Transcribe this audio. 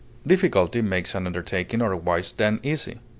Difficulty makes an undertaking otherwise than easy.